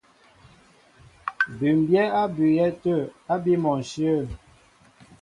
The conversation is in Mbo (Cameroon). Bʉ́mbyɛ́ á bʉʉyɛ́ tə̂ ábí mɔnshyə̂.